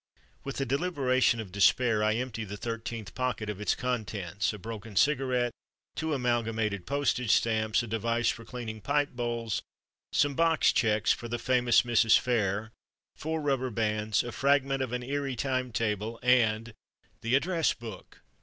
With the deliberation of despair I empty the Thirteenth Pocket of its contents—a broken cigarette, two amalgamated postage stamps, a device for cleaning pipe bowls, some box checks for The Famous Mrs. Fair, four rubber bands, a fragment of an Erie time table and—the Address Book!